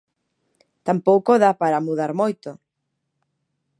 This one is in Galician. Tampouco dá para mudar moito.